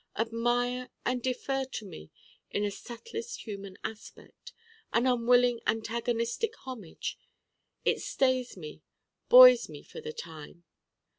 people! admire and defer to me in a subtlest human aspect: an unwilling antagonistic homage. It stays me, buoys me for the time.